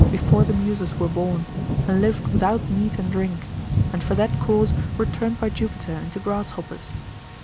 before the Muses were born, and lived without meat and drink, and for that cause were turned by Jupiter into grasshoppers.